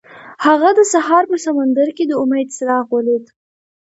هغه د سهار په سمندر کې د امید څراغ ولید.